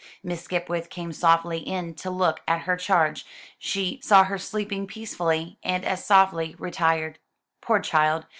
Miss Skipwith came softly in to look at her charge, saw her sleeping peacefully, and as softly retired. "Poor child!